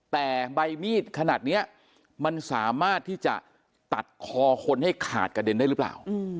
แต่ใบมีดขนาดนี้มันสามารถที่จะตัดคอคนให้ขาดกระเด็นได้หรือเปล่า